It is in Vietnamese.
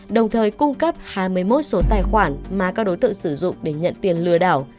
đồng thời cung cấp hai mươi một số tài khoản mà các đối tượng sử dụng để nhận tiền lừa đảo